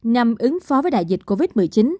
nhằm ứng phó với đại dịch covid một mươi chín